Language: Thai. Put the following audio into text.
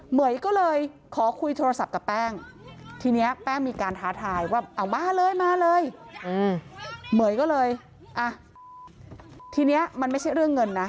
เหยก็เลยขอคุยโทรศัพท์กับแป้งทีนี้แป้งมีการท้าทายว่าเอามาเลยมาเลยเหม๋ยก็เลยอ่ะทีนี้มันไม่ใช่เรื่องเงินนะ